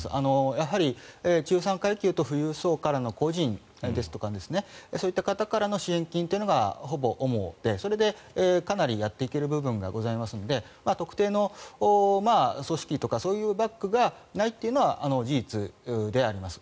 やはり中産階級と富裕層からの個人ですとかそういった方からの支援金というのがほぼ、主でそれでかなりやっていける部分がありますので特定の組織とかそういうバックがないというのは事実であります。